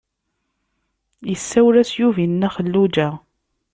Isawel-as Yuba i Nna Xelluǧa.